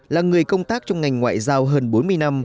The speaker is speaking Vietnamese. là người công tác trong ngành ngoại giao hơn bốn mươi năm